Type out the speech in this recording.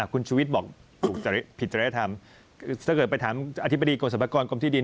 คุณชูวิทย์บอกถูกผิดจริยธรรมถ้าเกิดไปถามอธิบดีกรมสรรพากรกรมที่ดิน